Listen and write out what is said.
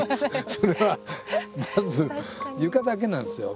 それはまず床だけなんですよ。